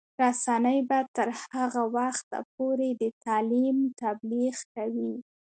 رسنۍ به تر هغه وخته پورې د تعلیم تبلیغ کوي.